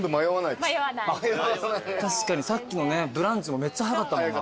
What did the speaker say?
確かにさっきのブランチもめっちゃ早かったもんな。